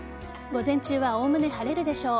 午前中はおおむね晴れるでしょう。